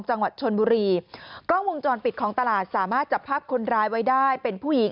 เหมือนไม่มีอะไรเกิดขึ้น